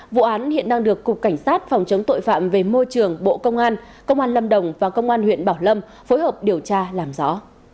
vụ án hiện đang được cục cảnh sát phòng chống tội phạm về môi trường bộ công an công an lâm đồng và công an huyện bảo lâm phối hợp điều tra làm rõ